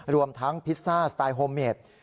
รวมทั้งพิซซ่าสไตล์โฮเมด